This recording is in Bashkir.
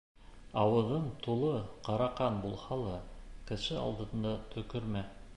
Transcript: Ауыҙың тулы ҡара ҡан булһа ла, кеше алдында төкөрмә.